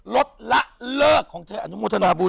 ลดละเลิกของเธออนุโมทนาบุญ